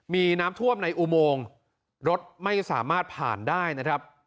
มีน้ำท่วมในอุโมงรถไม่สามารถผ่านได้นะครับ